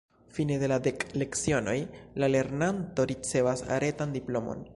Fine de la dek lecionoj, la lernanto ricevas retan diplomon.